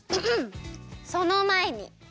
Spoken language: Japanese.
そのまえに。